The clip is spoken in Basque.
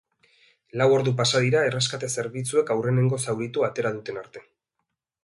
Lau ordu pasa dira erreskate zerbitzuek aurrenengo zauritua atera duten arte.